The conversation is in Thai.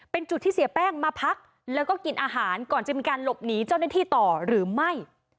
เป็นจุดที่เสียแป้งมาพักแล้วก็กินอาหารก่อนจะมีการหลบหนีเจ้าหน้าที่ต่อหรือไม่